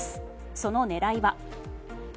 その狙いは？